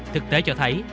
thực tế cho thấy